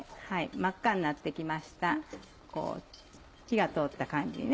真っ赤になって来ました火が通った感じにね。